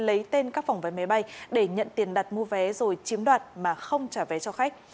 lấy tên các phòng vé máy bay để nhận tiền đặt mua vé rồi chiếm đoạt mà không trả tiền